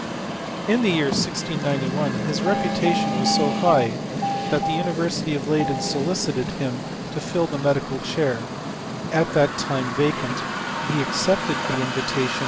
..^ In the year 1691 his reputation was so high thaf[' the University of Leyden solicited him to fill the medical chair, at that time vacant ; he accepted the LnvitatioD|.